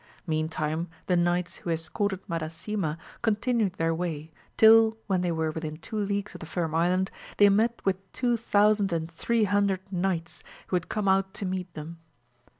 Meantime the knights who escorted Madasima continued their way, till when they were within two leagues of the Firm Island they met with two thousand and three hundred knights who had come out to meet them.